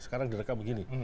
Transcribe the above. sekarang direkam begini